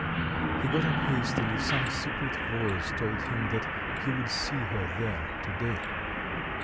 He got up hastily; some secret voice told him that he would see her there to day.